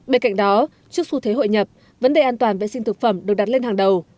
bên cạnh đó trước xu thế hội nhập vấn đề an toàn vệ sinh thực phẩm được đặt lên hàng đầu